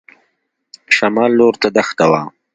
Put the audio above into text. شمال لور ته دښته وه.